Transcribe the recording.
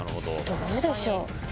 どうでしょう？